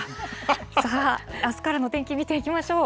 さあ、あすからの天気、見ていきましょう。